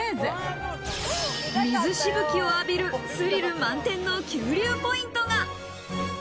水しぶきを浴びる、スリル満点の急流ポイントが。